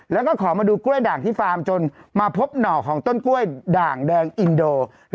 แล้วก็ขอมาดูกล้วยด่างที่ฟาร์มจนมาพบหน่อของต้นกล้วยด่างแดงอินโด